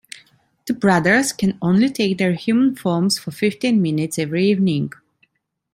The brothers can only take their human forms for fifteen minutes every evening.